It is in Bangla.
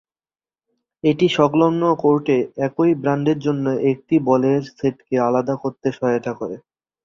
এটি সংলগ্ন কোর্টে একই ব্র্যান্ডের অন্য একটি বলের সেটকে আলাদা করতে সহায়তা করে।